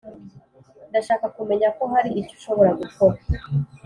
ndashaka kumenya ko hari icyo ushobora gukora,